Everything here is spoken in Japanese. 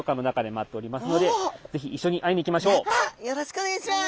よろしくお願いします。